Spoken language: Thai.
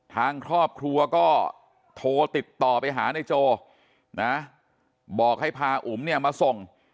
ทางครอบครัวก็โทรติดต่อไปหานายโจนะบอกให้พาอุ๋มเนี่ยมาส่ง